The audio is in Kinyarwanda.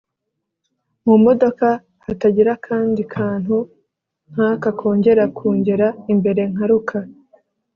mumodoka hatagira akandi kantu nkaka kongera kungera imbere nkaruka